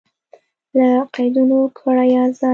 له قیدونو کړئ ازادي